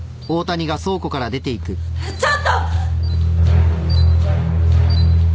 ちょっと！